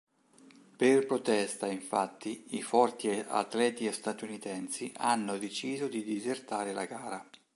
Per protesta, infatti, i forti atleti statunitensi hanno deciso di disertare la gara.